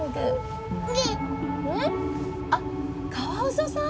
蓮くん。あっカワウソさん？